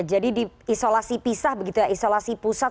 jadi di isolasi pisah begitu ya isolasi pusat